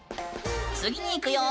次に行くよ！